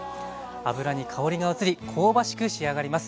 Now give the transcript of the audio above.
油に香りが移り香ばしく仕上がります。